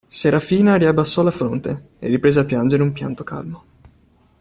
Serafina riabbassò la fronte, e riprese a piangere un pianto calmo.